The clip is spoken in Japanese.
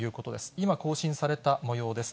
今、更新されたもようです。